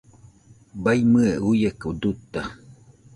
Baiñɨe uieko duta